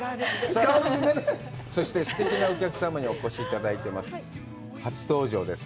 さあ、そして、すてきなお客様にお越しいただいています。